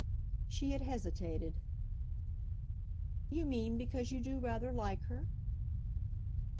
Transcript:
She had hesitated. "You mean because you do rather like her?"